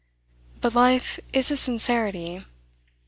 But life is a sincerity.